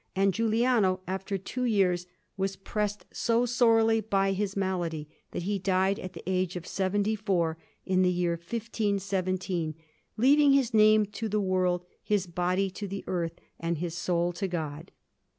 And Giuliano, after two years, was pressed so sorely by his malady, that he died at the age of seventy four in the year 1517, leaving his name to the world, his body to the earth, and his soul to God.